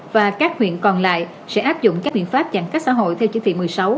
và các huyện còn lại sẽ áp dụng các biện pháp giãn cách xã hội theo chỉ thị một mươi sáu